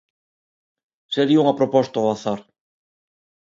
Sería unha proposta ao azar.